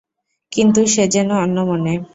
কিন্তু সে যেন অন্যমনে।